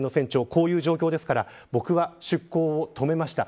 こういう状況ですから僕は出港を止めました。